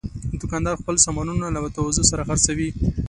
دوکاندار خپل سامانونه له تواضع سره خرڅوي.